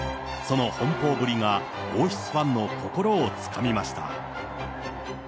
その奔放ぶりが王室ファンの心をつかみました。